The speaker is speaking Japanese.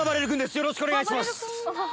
よろしくお願いします！